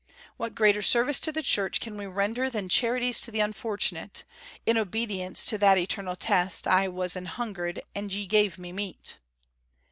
What greater service to the Church can we render than charities to the unfortunate, in obedience to that eternal test, 'I was an hungered, and ye gave me meat'"?